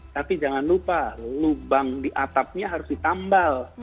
tapi jangan lupa lubang di atapnya harus ditambal